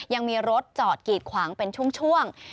ยังมีรถจอดกีดขวางเป็นช่วง